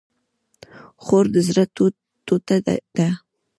خور د زړه ټوټه ده